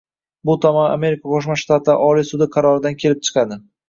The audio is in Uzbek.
Bu tamoyil Amerika Qo'shma Shtatlari Oliy sudi qaroridan kelib chiqadi.